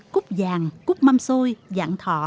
cúc vàng cúc mâm xôi dạng thọ